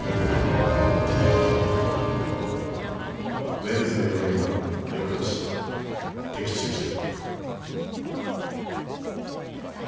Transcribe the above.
ウェルズの予言は翌年的中した。